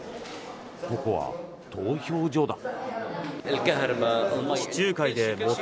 ここは投票所だ。